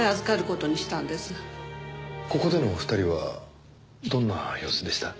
ここでの２人はどんな様子でした？